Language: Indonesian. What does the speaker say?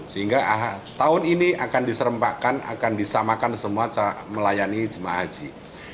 sehingga tahun ini akan diserempakkan akan disamakan semua melayani jemaah haji